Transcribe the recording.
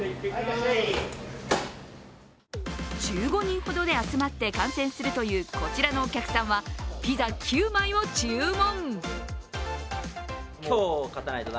１５人ほどで集まって観戦するというこちらのお客さんはピザ９枚を注文。